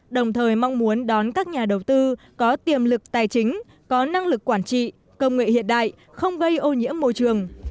đồng thời mong muốn đón các nhà đầu tư có tiềm lực tài chính có năng lực quản trị công nghệ hiện đại không gây ô nhiễm môi trường